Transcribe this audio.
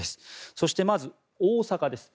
そして、まず大阪です。